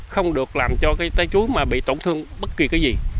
không được làm cho cái trái chuối mà bị tổn thương bất kỳ cái gì